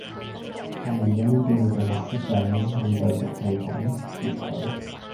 但系如果你叫佢做鹹濕仔，你就即係趕絕佢